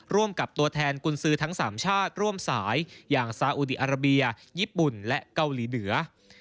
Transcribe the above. ร่วมกับตัวแทนกุญสือทั้ง๓ชาติร่วมสายอย่างซาอุดีอาราเบียญี่ปุ่นและเกาหลีเหนือ